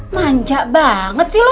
manja banget sih lu